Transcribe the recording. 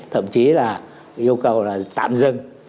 thậm chí là yêu cầu là tạm dừng